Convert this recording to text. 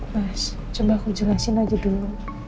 mas coba aku jelasin aja dulu